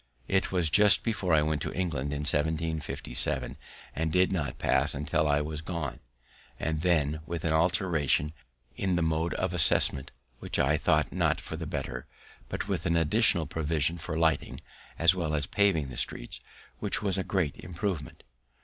It was just before I went to England, in 1757, and did not pass till I was gone, and then with an alteration in the mode of assessment, which I thought not for the better, but with an additional provision for lighting as well as paving the streets, which was a great improvement.